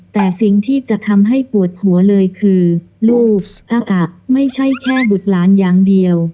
แต่สิ่งที่จะทำให้ปวดหัวเลยคือลูกอะไม่ใช่แค่บุตรหลานอย่างเดียว